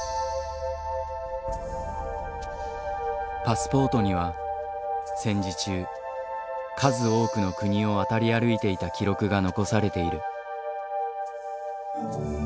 パスポートには戦時中数多くの国を渡り歩いていた記録が残されている。